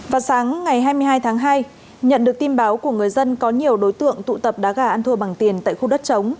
vào sáng ngày hai mươi hai tháng hai nhận được tin báo của người dân có nhiều đối tượng tụ tập đá gà ăn thua bằng tiền tại khu đất chống